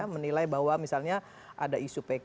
menilai bahwa misalnya ada isu pk